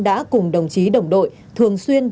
đã cùng đồng chí đồng đội thường xuyên